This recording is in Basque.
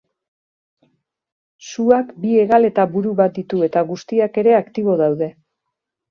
Suak bi hegal eta buru bat ditu eta guztiak ere aktibo daude.